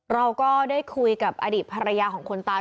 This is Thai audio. เราก็ได้คุยกับอดีตภรรยาของคนตาย